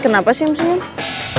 kenapa sih yang senyum